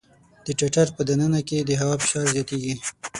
د ټټر په د ننه کې د هوا فشار زیاتېږي.